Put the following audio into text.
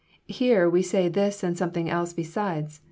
"Here we say this and something else, besides.